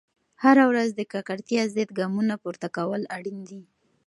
هره ورځ د ککړتیا ضد ګامونه پورته کول اړین دي.